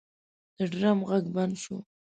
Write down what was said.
د ډرم غږ بند شو.